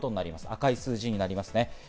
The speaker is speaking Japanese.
赤い数字になりますね。